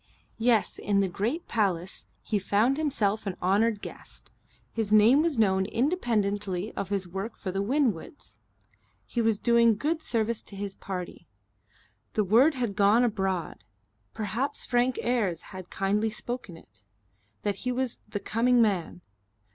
Yes, in the great palace he found himself an honoured guest. His name was known independently of his work for the Winwoods. He was doing good service to his party. The word had gone abroad perhaps Frank Ayres had kindly spoken it that he was the coming man.